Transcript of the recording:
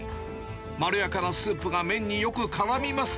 まろやかなスープが麺によくからみます。